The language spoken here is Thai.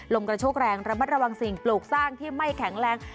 กระโชกแรงระมัดระวังสิ่งปลูกสร้างที่ไม่แข็งแรง